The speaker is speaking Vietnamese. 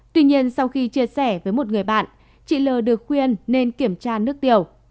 tuy nhiên sau khi chia sẻ với một người bạn chị l được khuyên nên kiểm tra nước tiểu